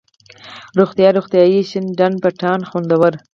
روغتيا، روغتیایي ،شين ډنډ، پټان ، خوندور،